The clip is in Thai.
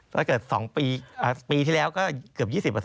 ถ้าเกิด๒ปีที่แล้วก็เกือบ๒๐